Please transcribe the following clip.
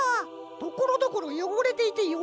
ところどころよごれていてよめんな。